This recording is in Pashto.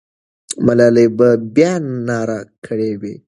ملالۍ به بیا ناره کړې وي.